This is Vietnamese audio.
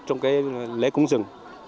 trong cái lễ cúng rừng